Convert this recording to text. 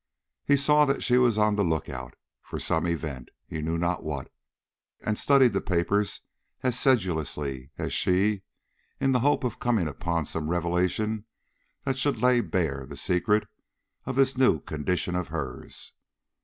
He saw she was on the look out for some event, he knew not what, and studied the papers as sedulously as she, in the hope of coming upon some revelation that should lay bare the secret of this new condition of hers.